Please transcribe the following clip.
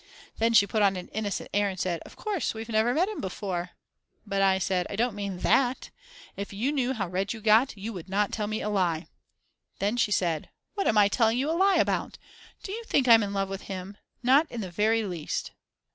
Then she put on an innocent air and said: "Of course, we've never met him before," but I said: "I don't mean that. If you knew how red you got you would not tell me a lie." Then she said: "What am I telling you a lie about? Do you think I'm in love with him? Not in the very least."